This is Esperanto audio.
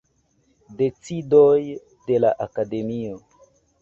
Decidoj de la Akademio.